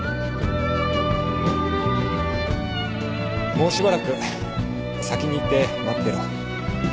もうしばらく先に行って待ってろ。